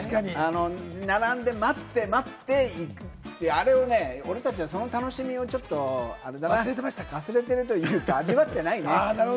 並んで、待って待って、あれを俺たちは、その楽しみをちょっとあれだな、忘れてるというか、味わってないね。